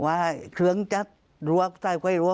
ว่าเครื่องจักรล้วโกยหรือไม่ล้ว